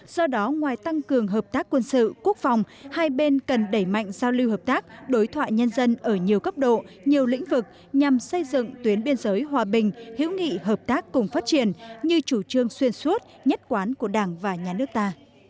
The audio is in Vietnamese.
do đó ngoài tăng cường hợp tác quân sự quốc phòng hai bên cần đẩy mạnh giao lưu hợp tác đối thoại nhân dân ở nhiều cấp độ nhiều lĩnh vực nhằm xây dựng tuyến biên giới hòa bình hữu nghị hợp tác cùng phát triển như chủ trương xuyên suốt nhất quán của đảng và nhà nước ta